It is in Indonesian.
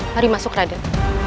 mari masuk raden